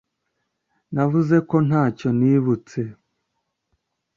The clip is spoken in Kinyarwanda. navuze ko ntacyo nibutse